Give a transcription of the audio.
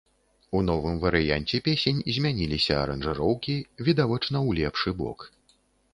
У новым варыянце песень змяніліся аранжыроўкі, відавочна ў лепшы бок.